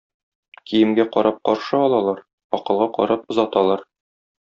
Киемгә карап каршы алалар, акылга карап озаталар.